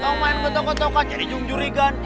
kamu main ketok ketokan jadi jungjuri kan